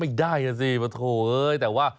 ไม่ได้นะสิพระโทษเอ๊ยแต่ว่า